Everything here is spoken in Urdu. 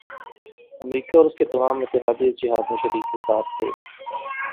امریکہ اور اس کے تمام اتحادی اس جہاد میں شریک کار تھے۔